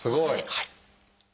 はい。